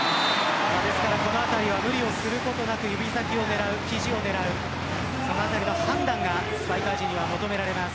このあたりは無理をすることなく指先を狙う、ひじを狙うその辺りの判断がスパイカー陣に求められます。